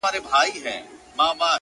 o په خوښۍ کي به مي ستا د ياد ډېوه وي،